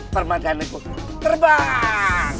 permadana ku terbang